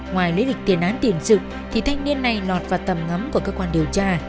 ngoài lý lịch tiền án tiền sự thì thanh niên này lọt vào tầm ngắm của cơ quan điều tra